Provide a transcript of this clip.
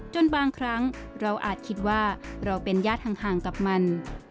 จนบางครั้งเราอาจคิดว่าเราเป็นญาติห่างกับมัน